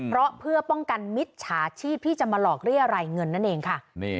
เพราะเพื่อป้องกันมิจฉาชีพที่จะมาหลอกเรียรายเงินนั่นเองค่ะ